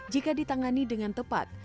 jika ditangani dengan tepat